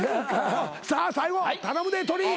さあ最後頼むでトリ。